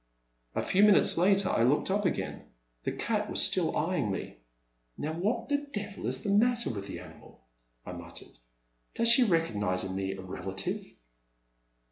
A few minutes later I looked up again. The cat was still eyeing me. Now what the devil is the matter with the animal,'' I muttered, '' does she recognize in me a relative?